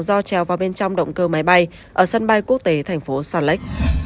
do treo vào bên trong động cơ máy bay ở sân bay quốc tế thành phố salt lake